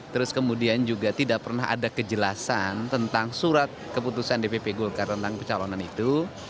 terus kemudian juga tidak pernah ada kejelasan tentang surat keputusan dpp golkar tentang pencalonan itu